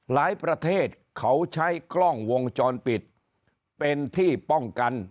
ประเทศเขาใช้กล้องวงจรปิดเป็นที่ป้องกัน